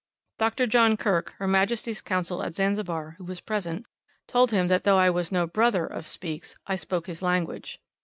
Dr. John Kirk, Her Majesty's Consul at Zanzibar, who was present, told them that though I was no brother of "Speke's," I spoke his language.